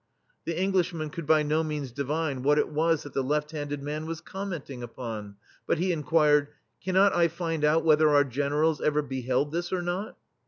*' The Englishmen could by no means divine what it was that the left handed man was commenting upon, but he in quired: "Cannot I find out whether our Generals ever beheld this or not